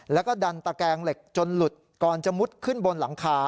แล้วก็ดันตะแกงเหล็กจนหลุดก่อนจะมุดขึ้นบนหลังคา